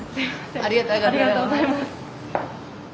ありがとうございます。